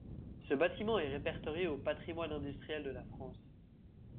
Ce bâtiment est répertorié au patrimoine industriel de la France.